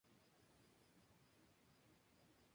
Se levantó con el pie izquierdo y no daba pie con bola